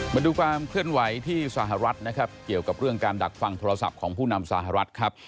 มาดูความเคลื่อนไหวที่สหรัฐนะครับเกี่ยวกับเรื่องการดักฟังโทรศัพท์ของผู้นำสหรัฐครับ